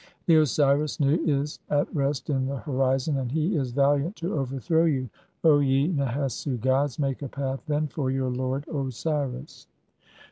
The Osiris Nu is at "rest in the horizon, and he is (21) valiant to overthrow you, "O ye Nehesu gods; make a path, then, for your lord Osiris."